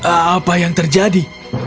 apa yang terjadi